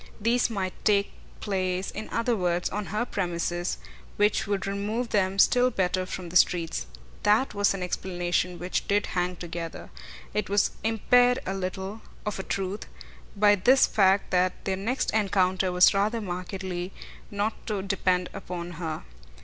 These might take place, in other words, on her premises, which would remove them still better from the streets. THAT was an explanation which did hang together. It was impaired a little, of a truth, by this fact that their next encounter was rather markedly not to depend upon her.